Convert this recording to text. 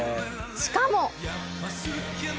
しかも。